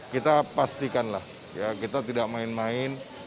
kita pastikan lah ya kita tidak main main